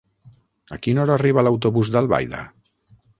A quina hora arriba l'autobús d'Albaida?